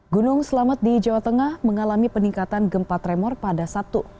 gunung selamat di jawa tengah mengalami peningkatan gempa tremor pada sabtu